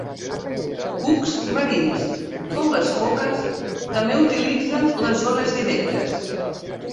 Cucs marins com les foques també utilitzen les ones directes.